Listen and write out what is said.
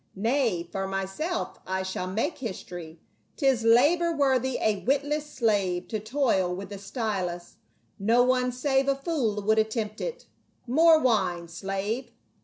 Nay, for myself I shall make history ; 'tis labor worthy a witless slave to toil with the stylus, no one save a fool would attempt it. More wine, slave."